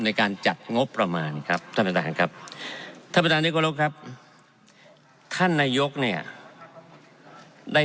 ในการจัดงบประมาณครับท่านพ่อท่านค่ะ